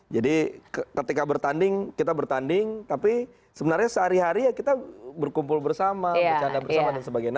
jadi ketika bertanding kita bertanding tapi sebenarnya sehari hari ya kita berkumpul bersama bercanda bersama dan sebagainya